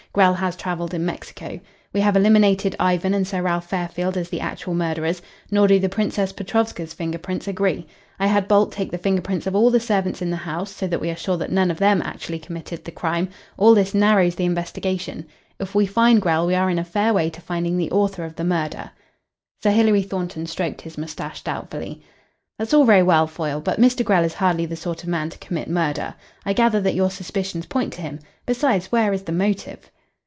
Grell has travelled in Mexico. We have eliminated Ivan and Sir Ralph Fairfield as the actual murderers. Nor do the Princess Petrovska's finger prints agree. I had Bolt take the finger prints of all the servants in the house, so that we are sure that none of them actually committed the crime. All this narrows the investigation. If we find Grell we are in a fair way to finding the author of the murder." Sir Hilary Thornton stroked his moustache doubtfully. "That's all very well, Foyle, but Mr. Grell is hardly the sort of man to commit murder. I gather that your suspicions point to him. Besides, where is the motive?"